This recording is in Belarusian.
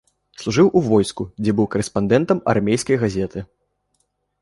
Служыў у войску, дзе быў карэспандэнтам армейскай газеты.